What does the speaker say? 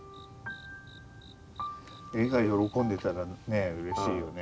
絵が喜んでたらねうれしいよね。